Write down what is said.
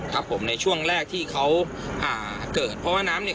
ครับผมในช่วงแรกที่เขาอ่าเกิดเพราะว่าน้ำเนี่ย